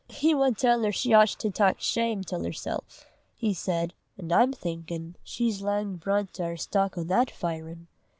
"He wad tell her she oucht to tak shame till hersel'," he said, "an' I'm thinkin' she's lang brunt a' her stock o' that firin'.